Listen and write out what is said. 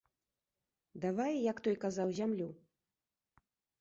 Давай, як той казаў, зямлю.